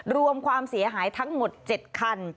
รวมความเสียหายทั้งหมด๗คัน